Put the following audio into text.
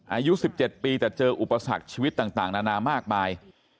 อายุ๑๗ปีแต่เจออุปสรรคชีวิตต่างนานามากมาย